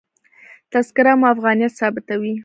تذکره مو افغانیت ثابتوي.